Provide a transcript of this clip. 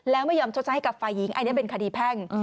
แล้วไม่ยอมชดใช้ให้กับฝ่ายหญิงอันนี้เป็นคดีแพ่ง